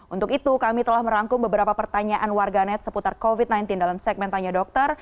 untuk itu kami telah merangkum beberapa pertanyaan warganet seputar covid sembilan belas dalam segmen tanya dokter